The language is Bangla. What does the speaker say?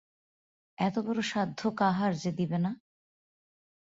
এতবড়ো সাধ্য কাহার যে দিবে না?